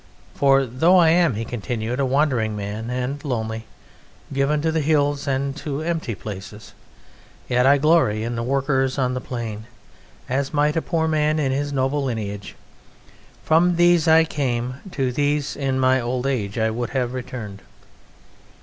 For though I am," he continued, "a wandering man and lonely, given to the hills and to empty places, yet I glory in the workers on the plain, as might a poor man in his noble lineage. From these I came; to these in my old age I would have returned."